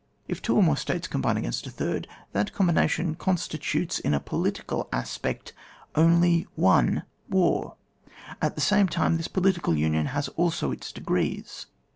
If two or more States combine against a third, that combination constitutes, in a political aspect, only wm war, at the same time this political imion has also its degrees.